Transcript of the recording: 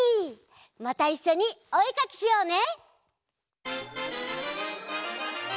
またいっしょにおえかきしようね！